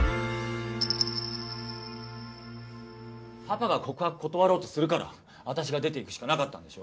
パパが告白断ろうとするから私が出て行くしかなかったんでしょ